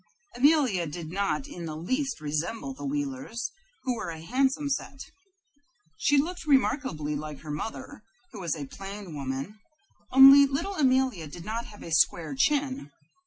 Amelia did not in the least resemble the Wheelers, who were a handsome set. She looked remarkably like her mother, who was a plain woman, only little Amelia did not have a square chin.